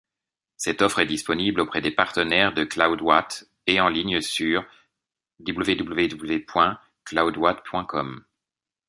Cette offre est disponible auprès des partenaires de Cloudwatt et en ligne sur www.cloudwatt.com.